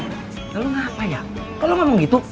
lalu ngapain ya kalau emang gitu